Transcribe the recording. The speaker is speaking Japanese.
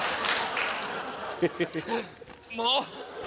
もう！